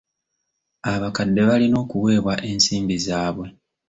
Abakadde balina okuweebwa ensimbi zaabwe.